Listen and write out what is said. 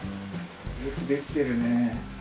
よく出来てるね。